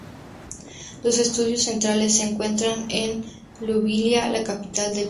Los estudios centrales se encuentran en Liubliana, la capital del país.